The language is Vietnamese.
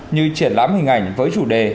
như triển lãm hình ảnh với chủ đề